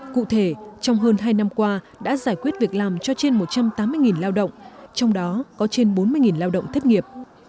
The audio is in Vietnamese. cụ thể trong hơn hai năm qua đã giải quyết việc làm cho trên một trăm tám mươi lao động trong đó có trên bốn mươi lao động thất nghiệp